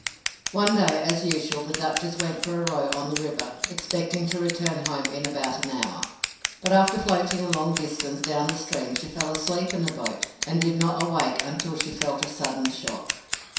One day, as usual, the Duchess went for a row on the river, expecting to return home in about an hour; but after floating a long distance down the stream she fell asleep in the boat and did not awake until she felt a sudden shock.